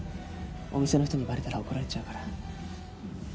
お店の人にバレたら怒られちゃうから。